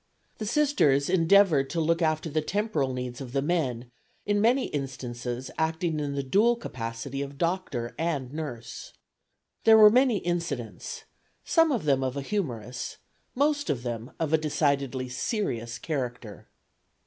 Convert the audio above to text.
The Sisters endeavored to look after the temporal needs of the men, in many instances acting in the dual capacity of doctor and nurse. There were many incidents, some of them of a humorous, most of them of a decidedly serious character.